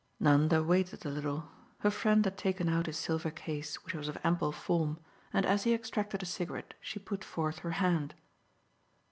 Nanda waited a little; her friend had taken out his silver case, which was of ample form, and as he extracted a cigarette she put forth her hand.